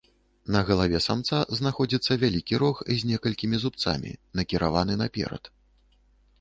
На галаве самца знаходзіцца вялікі рог з некалькімі зубцамі, накіраваны наперад.